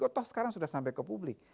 toh sekarang sudah sampai ke publik